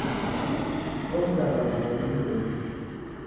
Ow'unja vilambo vedu nyumbenyi.